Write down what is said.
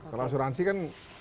kalau asuransi kan